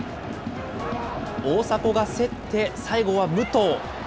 大迫が競って、最後は武藤。